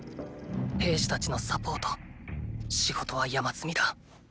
兵士たちのサポート仕事は山積みだ。